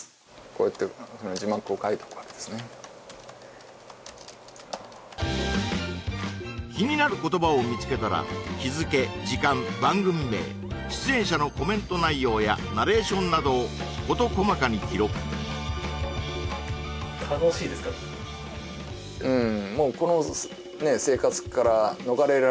こうやって気になる言葉を見つけたら日付時間番組名出演者のコメント内容やナレーションなどを事細かに記録うん